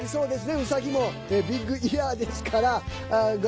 うさぎもビッグイヤーですから。